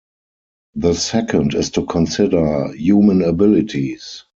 The second is to consider human abilities.